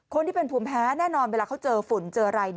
คนที่เป็นภูมิแพ้แน่นอนเวลาเขาเจอฝุ่นเจออะไร